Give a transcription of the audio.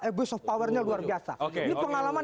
abuse of power nya luar biasa ini pengalaman